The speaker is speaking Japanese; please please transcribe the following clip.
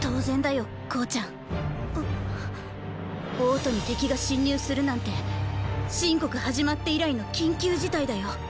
王都に敵が侵入するなんて秦国始まって以来の緊急事態だよ。